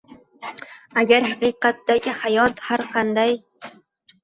agar “haqiqatdagi hayot” har qanday